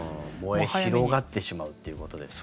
燃え広がってしまうということですよね。